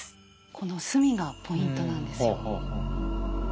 この隅がポイントなんですよ。